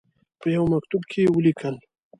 په یوه مکتوب کې ولیکل.